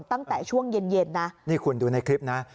ตั้งแต่ช่วงเย็นเย็นนะนี่คุณดูในคลิปนะ